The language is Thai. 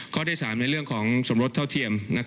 ข้อที่๓ในเรื่องของสมรสเท่าเทียม